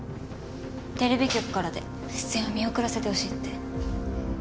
テレビ局からで出演は見送らせてほしいって。